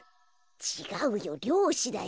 ちがうよりょうしだよ。